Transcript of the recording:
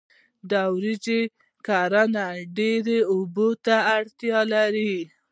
د وریجو کرنه ډیرو اوبو ته اړتیا لري.